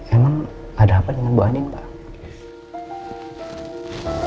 emang ada apa dengan bu andin pak